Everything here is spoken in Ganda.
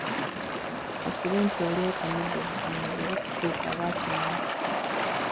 Ka kibe nti oli atamidde butamiizi era ekituufu aba akimanyi.